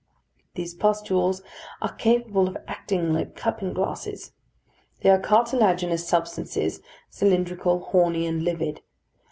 These pustules are capable of acting like cupping glasses. They are cartilaginous substances, cylindrical, horny, and livid.